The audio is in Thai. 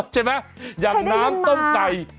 ใช่ไหมอย่างน้ำต้มไก่เคยได้ยินมา